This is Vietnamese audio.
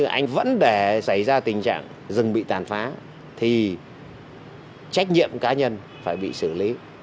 anh vẫn để xảy ra tình trạng rừng bị tàn phá thì trách nhiệm cá nhân phải bị xử lý